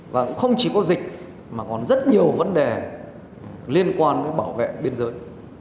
và không chỉ có dịch mà còn rất nhiều vấn đề liên quan với bảo vệ biên giới